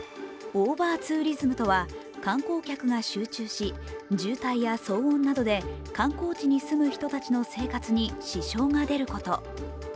オーバーツーリズムとは観光客が集中し渋滞や騒音などで観光地に住む人たちの生活に支障が出ること。